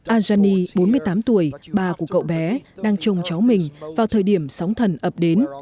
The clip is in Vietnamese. alghani bốn mươi tám tuổi bà của cậu bé đang trông cháu mình vào thời điểm sóng thần ập đến